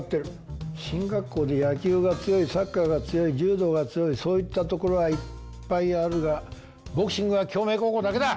進学校で野球が強いサッカーが強い柔道が強いそういったところはいっぱいあるがボクシングは京明高校だけだ！